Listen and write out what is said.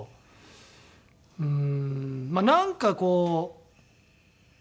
うーんまあなんかこう。